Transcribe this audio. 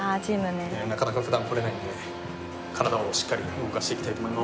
なかなか普段来れないので体をしっかり動かしていきたいと思います。